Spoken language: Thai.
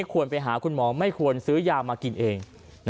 ควรไปหาคุณหมอไม่ควรซื้อยามากินเอง